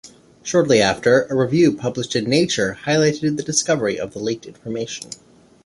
Shortly after, a review published in "Nature" highlighted the discovery of the leaked information.